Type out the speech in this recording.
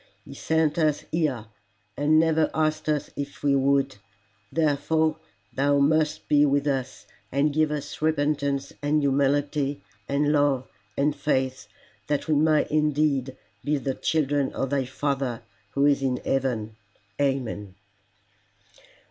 He sent us here, and never asked us if we would; therefore thou must be with us, and give us repentance and humility and love and faith, that we may indeed be the children of thy Father who is in heaven. Amen."